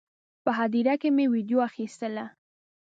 په هدیره کې مې ویډیو اخیستله.